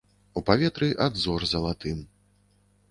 У паветры ад зор залатым.